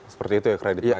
seperti itu ya kredit